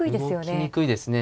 動きにくいですね。